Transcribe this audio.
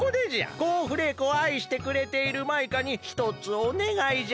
コーンフレークをあいしてくれているマイカにひとつおねがいじゃ。